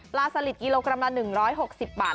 สลิดกิโลกรัมละ๑๖๐บาท